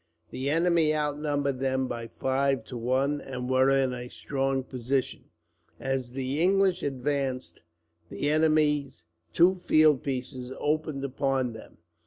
The enemy outnumbered them by five to one, and were in a strong position. As the English advanced, the enemy's two field pieces opened upon them.